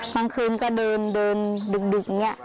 กลางคืนก็เดินดึกอย่างนี้